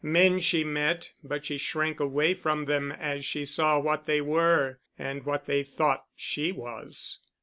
Men she met but she shrank away from them as she saw what they were and what they thought she was.